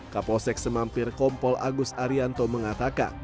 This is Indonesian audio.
kapolsek semampir kompol agus arianto mengatakan